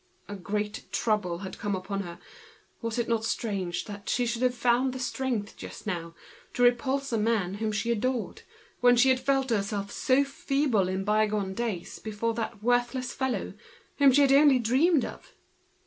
A great trouble had seized her: was it not strange that she should have found the strength just now to repulse a man whom she adored, when she used to feel herself so feeble in bygone days before this worthless fellow, whom she had only dreamed off?